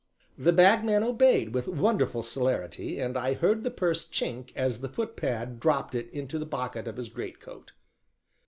The Bagman obeyed with wonderful celerity, and I heard the purse chink as the footpad dropped it into the pocket of his greatcoat.